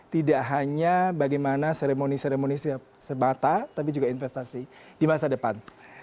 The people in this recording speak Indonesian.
tidak hanya bagaimana seremoni seremoni semata tapi juga investasi di masa depan